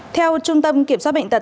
theo trung tâm kiểm soát bệnh tật